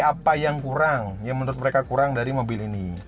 apa yang kurang yang menurut mereka kurang dari mobil ini